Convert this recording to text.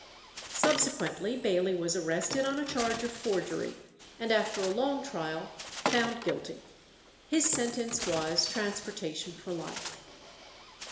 Subsequently Bailey was arrested on a charge of forgery, and after a long trial found guilty. His sentence was transportation for life.